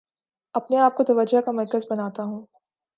اپنے آپ کو توجہ کا مرکز بناتا ہوں